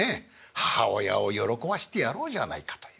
母親を喜ばしてやろうじゃないかという。